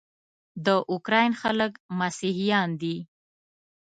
د اوکراین خلک مسیحیان دي.